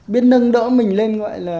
biết nâng đỡ mình lên